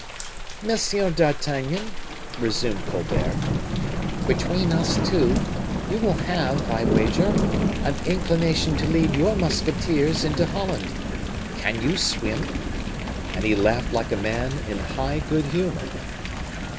"Monsieur d'Artagnan," resumed Colbert, "between us two, you will have, I wager, an inclination to lead your musketeers into Holland. Can you swim?" And he laughed like a man in high good humor.